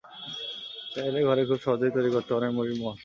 চাইলে ঘরে খুব সহজেই তৈরি করতে পারেন মুড়ির মোয়া।